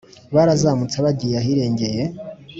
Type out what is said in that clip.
Barazamutse bagiye ahirengeye,